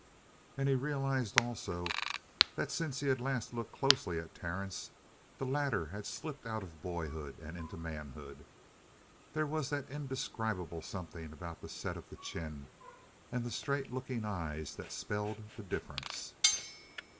And he realized also that since he had last looked closely at Terence the latter had slipped out of boyhood and into manhood. There was that indescribable something about the set of the chin and the straight looking eyes that spelled the difference.